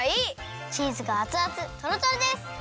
チーズがあつあつトロトロです！